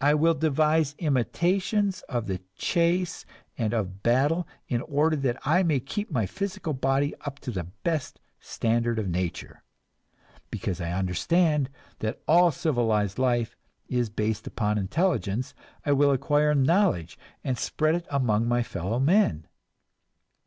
I will devise imitations of the chase and of battle in order that I may keep my physical body up to the best standard of nature. Because I understand that all civilized life is based upon intelligence, I will acquire knowledge and spread it among my fellow men.